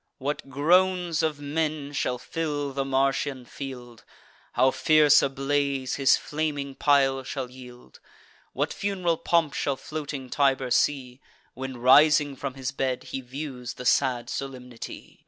What groans of men shall fill the Martian field! How fierce a blaze his flaming pile shall yield! What fun'ral pomp shall floating Tiber see, When, rising from his bed, he views the sad solemnity!